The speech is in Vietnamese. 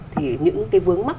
thì những cái vướng mắc